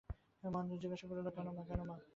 মহেন্দ্র জিজ্ঞাসা করিল, কেন মা।